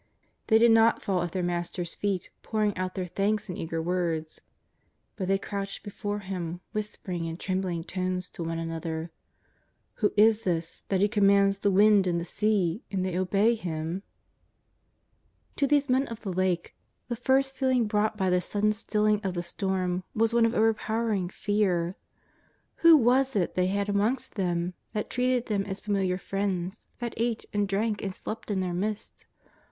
They did not fall at their Master's feet pouring out their thanks in eager words. But they crouched befo;:e Him, whisper ing in trembling tones to one another :" Who is this, that He commands the wind and the sea and they obey Him ?" To these men of the Lake the first feeling brought by this sudden stilling of the storm was one of overpower ing fear. Who was it they had amongst them, that treated them as familiar friends, that ate, and drank, and slept in their midst